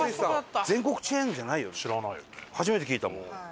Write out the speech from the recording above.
初めて聞いたもん。